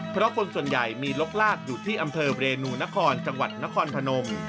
เพราะคนส่วนใหญ่มีลกลากอยู่ที่อำเภอเรนูนครจังหวัดนครพนม